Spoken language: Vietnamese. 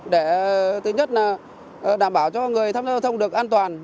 để thứ nhất là đảm bảo cho người tham gia giao thông được an toàn